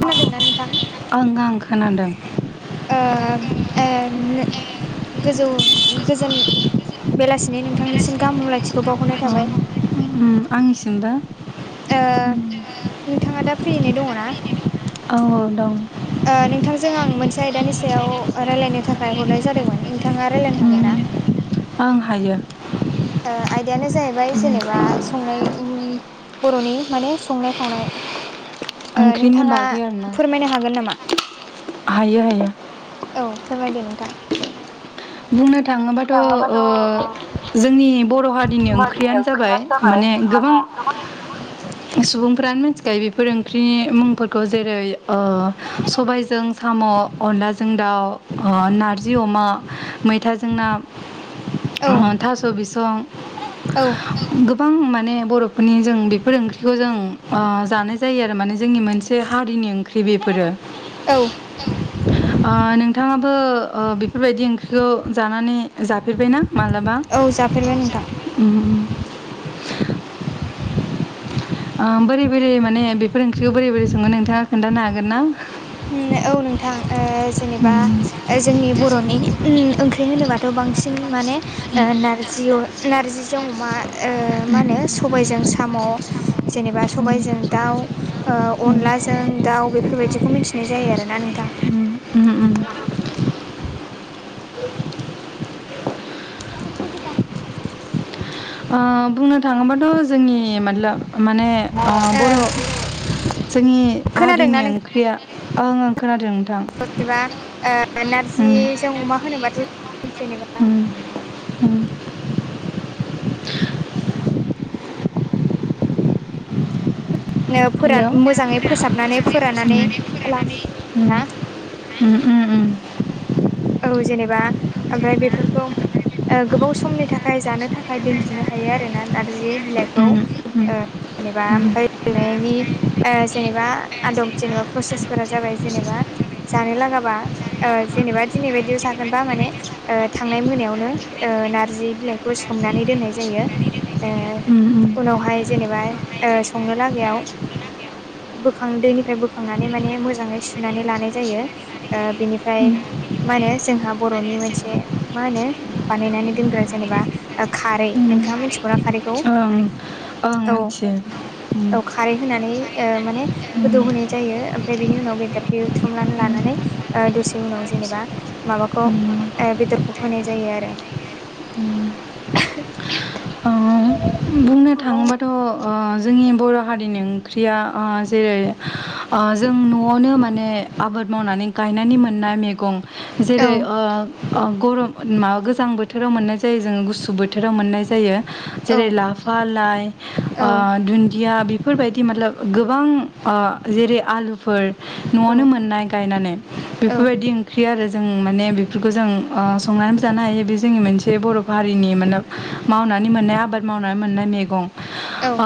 खोनादोंना नोंथां ओं आं खोनादों ओ ओं गोजौ गोजोन बेलासि नि नोंथांनिसिम गाहाम हामलायथिखौ बावहरनाय थाबाय उम आंनिसिम दा ओ नोंथाङा दा फ्रियैनो दङ ना औ औ दं नोंथांजों आं मोनसे आयदानि सायाव रायलायनो थाखाय हरनाय जादोंमोन बिथाङा रायलायनो हागोन ना नोंथांजों आं मोनसे आयदानि सायाव रायलायनो थाखाय हरनाय जादों। ओं हायो आयदायानो जाहैबाय जेनेबा संनाय बर'नि माने संनाय खावनाय ओ ओंख्रिनि नोंथाङा बागै आरोना फोरमायनो हागोन नामा हायो हायो औ फोरमायदो नोंथां बुंनो थाङोबाथ' जोंनि बर' हारिनि ओंख्रियानो जाबाय जाबाय माने [unintelligible] सुबुंफ्रानो मिथिखायो बेफोर ओंख्रिनि मुंफोरखौ जेरै सबायजों साम' अनलाजों दाउ ओ नारजि अमा मैथाजों ना औ ओ थास' बिसं औ गोबां माने बर'फोरनि जों बेफोर ओंख्रिखौ जों जानाय जायो आरो माने जोंनि मोनसे हारिनि ओंख्रि बेफोरो ओ औ नोंथाङा ओ ओ बेफोरबायदि ओंख्रिखौ जानानै जाफेरबायना मालाबा औ जाफेरबाय नोंथां उम बोरै बोरै माने बेफोर ओंख्रिखौ बोरै बोरै सङो नोंथाङा खोन्थानो हागोन ना औ नोंथां जेनेबा उम जोंनि बर'नि ओंख्रि होनोब्ला गोबांसिन माने ओ नारजि नारजिजों अमा ओ मा होनो सबायजों साम' जेनेबा सबायजों दाउ ओ अनलाजों दाउ बेफोरबायदिखौ मिथि नाय जायो आरोना नोंथां जायो आं फुजि बानाय [unintelligible] बुंनो थाङोबाथ' जोंनि म्लाब माने ओ बर' जोंनि खोनादोंना हारिनि नोंथां ओंख्रि गैया ओं ओं खोनादों नोंथां [unintelligible] ओ उम नारजिजों अमा होनोबाथ' जेनेबा उम फोरान हेल' मोजाङै फोसाबनानै फोराननानै लानाय जायो आरोना उम हो उम औ जेनेबा ओमफ्राय बेफोरखौ ओ गोबाव समनि थाखाय जानो थाखाय दोनथुमनो हायो आरो ना नारजि बिलाइ औ ओ जेनेबा ओमफ्राय गेलेनायनि ओ जेनेबा आदब जेनेबा प्रसेसफोरा जाबाय जेनेबा जानो लागाबा ओ जेनेबा दिनै बायदियाव जागोन बा माने थांनाय मोनायावनो ओ नारजि बिलाइखौ सोमनानै दोननाय जायो उनावहाय जेनेबा संनो लागायाव बोखां दैनिफ्राय बोखांनानै माने मोजाङै सुनानै लानाय जायो बिनिफ्राय मा होनो जोंहा बर'नि मोनसे मा होनो बानायनानै दोनग्रा जेनेबा खारै नोंथाङा मिथिगौ ना खारैखौ ओं ओं औ मिथियो औ खारै गोदौनाय जायो बेबायदिनो बेदर बेदरखौ लानानै बेदरखौ होनानै ओ माने गोदौ होनोनाय जायो ओमफ्राय बेनि उनाव बेदरखौ एवथ्रुमनानै लानानै ओ दसे उनाव जेनेबा माबाखौ होनाय ओ बेदरखौ होनाय जायो आरो जायो [inaudible] आरो ओ बुंनो थाङोबाथ' अ जोंनि बर' हारिनि ओंख्रिया ओ जेरै ओ जों न'आवनो माने आबाद मावनानै गायनानै मोननाय मैगं औ जेरै ओ ओ गरम माबा गोजां बोथोराव मोननाय जायो जोङो गुसु बोथोराव मोननाय जायो जेरै लाफा लाइ औ आ दुन्दिया बेफोरबायदि मालाब गोबां आ जेरै आलुफोर औ न'आवनो मोननाय गायनानै औ बेफोरबायदि ओंख्रि आरो जों माने बेफोरखौ जों ओ संनानै जानो हायो बे जोंनि मोनसे बर' हारिनि माने मावनानै मोननाय आबाद मावनानै मोननाय मैगं औ ओ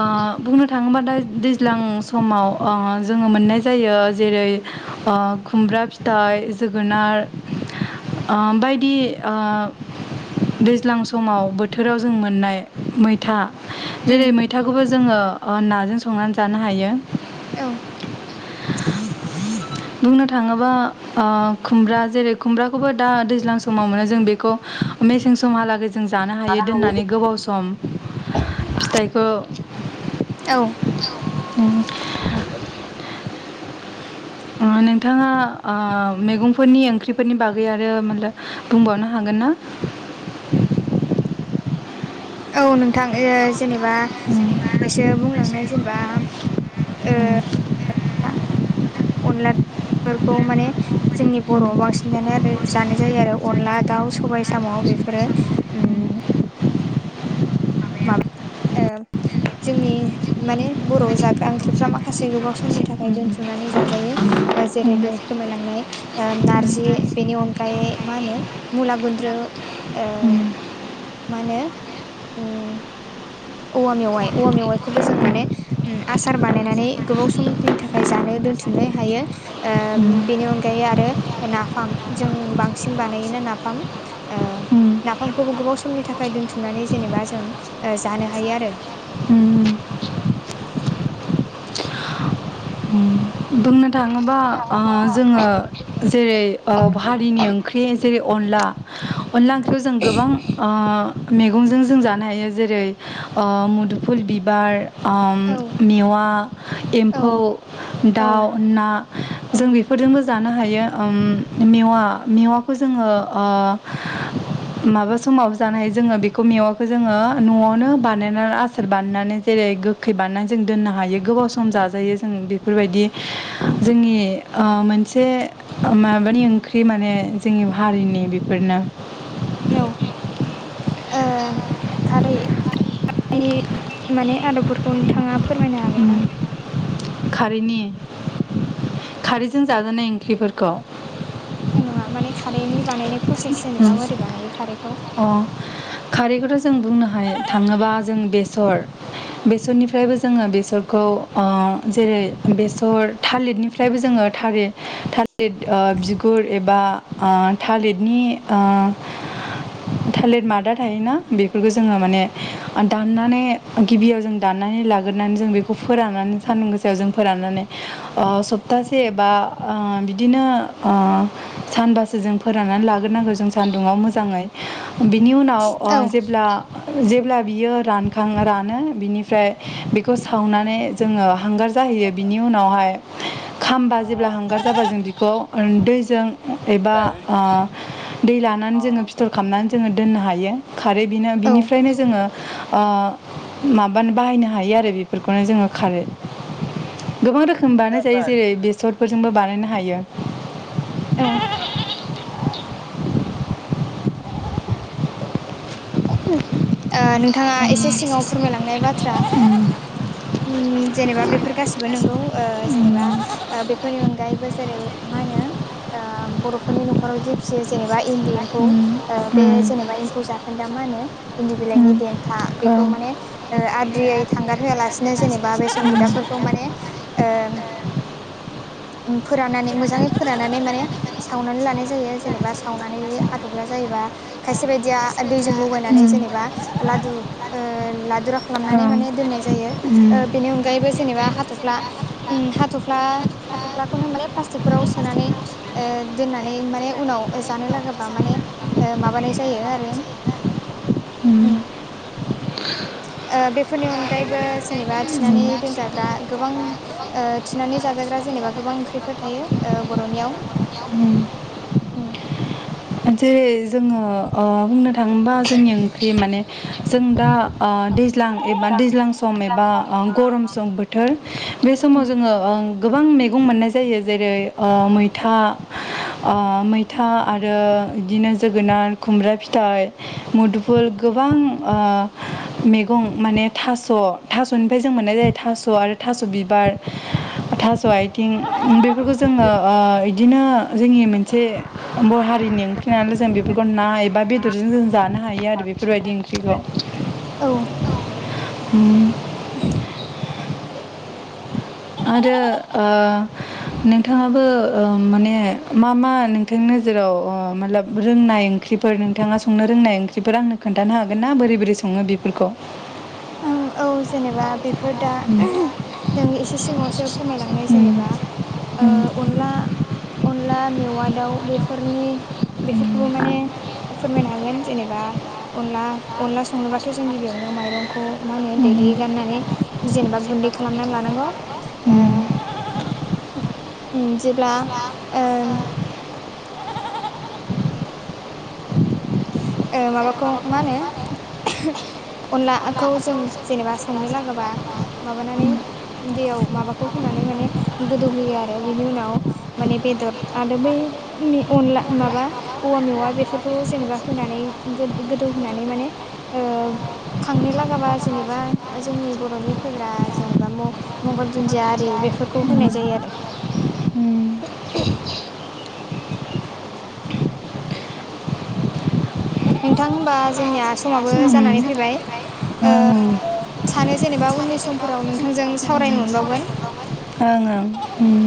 बुंनो थाङोबा दा दैज्लां समाव ओ जोङो मोननाय जायो जेरै ओ खुमब्रा फि थाइ जोगोनार ओ बायदि ओ दैज्लां समाव बोथोराव जों मोननाय था उम जेरै मैथाखौबो जोङो नाजों संनानै जानो हायो औ बुंनो थाङोबा ओ खुमब्रा जेरै खुमब्राखौबो दा दैज्लां समाव मोनो जों बेखौ मेसें समहालागै जों जानो हायो दोननानै गोबाव सम फिथाइखौ औ उम ओ नोंथाङा ओ मैगंफोरनि ओंख्रिफोरनि बागै आरो मालाय [unintelligible] बुंबावनो हागोन ना औ नोंथां ओ जेनेबा उम दासो बुंलांनाय जेनेबा उम अनला अनलाफोरखौ माने उम जोंनि बर'आव बांसिन जानो आरो जानाय जायो आरो अनला दाउ सबाय साम' बेफोरो उम माबा ओ [unintelligible] जोंनि माने बर' जाग्रा ओंख्रिफ्रा माखासे गोबाव समनि थाखाय दोनथुमनानै जाजायो ओ जेरै दहाय फोरमायलांनाय ओ नारजि बेनि अनगायै मा होनो मुला गुन्द्रु ओ उम मा होनो उम औवा मेवाइ औवा मेवाइखौबो जों माने उम आसार बानायनानै गोबाव समनि थाखाय जानो दोनथुमनो हायो ओ बेनि अनगायै आरो नाफाम जों बांसिन बानायोनो नाफाम ओ उम नाफामखौबो गोबाव समनि थाखाय दोनथुमनानै जेनेबा जों ओ जानो हायो आरो उम उम बुंनो थाङोबा ओ जोङो जेरै ओ हारिनि ओंख्रि जेरै अनला अनला ओंख्रियाव जों गोबां ओ मैगंजों जों जानो हायो जेरै ओ मुदुफुल बिबार ओ औ मेवा औ एम्फौ औ दाउ ना औ जों बे फोरजोंबो जानो हायो ओम मेवा मेवाखौ जोङो माबा समाव जानो हायो जोङो बेखौ मेवाखौ जोङो न'आवनो बानायनानै आसार बानायनानै जेरै गो खै बानायनानै जों दोननो हायो गोबाव सम जाजायो जों बेफोरबायदि जोंनि ओ मोनसे माबानि ओंख्रि माने जोंनि हारिनि बेफोरनो औ खारैनि माने आदबफोरखौ नोंथाङा फोरमायनो हागोन ना? खारैनि खारैजों जाजानाय ओंख्रिफोरखौ नङा माने खारैनि बानायनाय प्रसेस जेनेबा उम मोरै बानायो खारैखौ अ खारैखौथ' जों बुंनो हाय थाङोबा जों बेसर बेसरनिफ्रायबो जोङो बेसरखौ जेरै बेसर थालिरनिफ्राय फ्रायबो जोङो थालिर थालिर ओ बिगुर एबा ओ थालिरनि ओ थालिर मादा थायोना बेफोरखौ जोङो माने दाननानै गिबियाव जों दाननानै लाग्रोनानै जों बेखौ फोराननानै सानदुं गोसायाव जों फोराननानै ओ सब थासे एबा बिदिनो सानबासो जों फोराननानै लाग्रोनांगौ जों सान्दुंआव मोजाङै बिनि उनाव औ जेब्ला जेब्ला बियो रानखां रानो बिनिफ्राय बेखौ सावनानै जोङो हांगार जाहैयो बिनि उनावहाय खामबा जेब्ला हांगार जाबा जों बिखौ दैजों एबा ओ दै लानानै जोङो फ फिथर खालामनानै जोङो दोननो हायो खारै बेनो औ बिनिफ्रायनो जोङोओ माबानो बाहायनो हायो आरो बेफोरखौनो जोङो खारै गोबां रोखोम बानाय जायो जेरै बेसरफोरजोंबो बानायनो हायो। औ नोंथाङा एसे सिङाव फोरमायलांनाय बाथ्रा ओ [inaudible] जेनेबा बेफोर गासिबो नोंगौ जेनेबा बेफोरनि अनगायैबो जेरै मा होनो बर'फोरनि न'खराव जि फिसियो जेनेबा इनदि एमफौ ओ बे मोजां जेनेबा एम्फौ जाखोन्दा मा होनो इन्दि बिलाइनि देन्था बेखौ बेफोर माने ओ आद्रियै थांगारहोआलासिनो जेनेबा बेसेन हुदाफोरखौ माने ओ ओ फोराननानै मोजाङै फोराननानै माने सावनानै लानाय जायो जेनेबा सावनानै हाथब्ला जायोबा खायसे बायदिया दैजों लगायनानै जेनेबा लादु ओ लादुरा खालामनानै माने दोननाय जायो ओ बेनि अनगायैबो जेनेबा हाथ'फ्ला हाथ'फ्ला हाथ'फ्लाखौनो माने प्लास्टिकफोराव सोनानै ओ दोननानै माने उनाव जानो लागाबा माने माबानाय जायो आरो उम औ [inaudible] ओ बेफोरनि अनगायैबो जेबा थिनानै दोनजाग्रा गोबां ओ थिनानै जाजाग्रा जेनेबा गोबां ओंख्रिफोर थायो ओ बर'नियाव बर'नियाव ओम जेरै जोङो ओ बुंनो थाङोबा जोंनि ओंख्रि माने जों दा ओ दैज्लां एबा दैज्लां सम एबा गरम गोजां बोथोर बे समाव जो गोबां मैगं मोननाय जायो जेरै ओ मैथा ओ मैथा आरो बिदिनो जोगोनार खुमब्रा फिथाइ मुदुफुल गोबां ओ मैगं माने थास' थास'निफ्राय जों मोननाय जायो थास' आरो थास' बिबार थास' आथिं बेफोरखौ जोङो ओ इदिनो जोंनि मोनसे बर' हारिनि ओं जों बेफोरखौ ना एबा बेदरजों जों जानो हायो आरो बेफोरबायदि ओंख्रिखौ ओ उम [inaudible] आरो ओ नोंथाङाबो ओ माने मा मा नोंथांनि नोजोराव मातलाब रोंनाय ओंख्रिफोर नोंथाङा संनो रोंनाय ओंख्रि बेफोर आंनो खोनथानो हागोन ना बोरै बोरै सङो बेफोरखौ औ जेनेबा बेफोर दा नोंथां नों एसे जों एसे सिगांआवसो फोरमायलांनो सिगाङावसो बुंलांखाबाय जेनेबा ओ जेनेबा अनला अनला मेवा दाउ बेफोरनि बेफोरखौबो माने फोरमायनो हागोन जेनेबा अनला अनला संनोबाथ' जों गिबियावनो माइरं खौ मा होनो देग्लि गाननानै जेनेबा गुन्दै खालामना लानांगौ ओ जेब्ला ओ ओ माबाखौ मा होनो अनलाखौ जों जेनेबा संनो लागोबा माबानानै दैयाव माबाखौ होनानै माने गोदौहोयो आरो बिनि उनाव माने बेदर आरो बै अनला माबा औवा मेवा बेफोरखौ जेनेबा होनानै गोदौहोनानै माने खांनो लागाबा जेनेबा जोंनि बर'नि होग्रा जेनेबा म मंगल दुन्दिया आरि बेफोरखौ होनाय जायो आरो उम नोंथां होनबा जोंनिया समाबो जानानै फैबाय ओं ओ सानो जेनेबा उननि समफोराव नोंथांजों सावरायनो मोनबावगोन। ओं ओं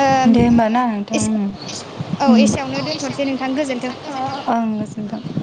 ओ दे होमबा ना एसे औ नोंथां एसेयावनो दोनथनोसै नोंथां गोजोनथों ओं गोजोनथों